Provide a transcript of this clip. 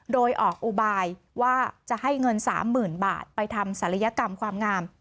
โดยออกอุบายว่าจะให้เงิน๓๐๐๐บาทไปทำศัลยกรรมความงาม